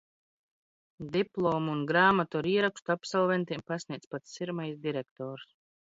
Diplomu un gr?matu ar ierakstu absolventiem pasniedz pats sirmais direktors.